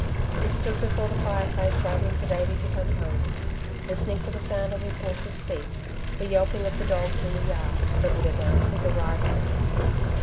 He stood before the fireplace waiting for Davey to come home, listening for the sound of his horse's feet, the yelping of the dogs in the yard that would announce his arrival.